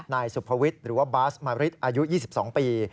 นายสุภวิทย์หรือว่าบาสมริตอายุ๒๒ปี